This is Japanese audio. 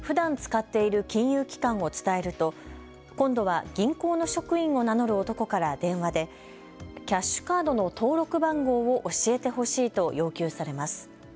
女性がふだん使っている金融機関を伝えると今度は銀行の職員を名乗る男から電話でキャッシュカードの登録番号を教えてほしいと要求されます。